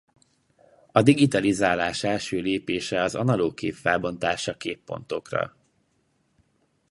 A digitalizálás első lépése az analóg kép felbontása képpontokra.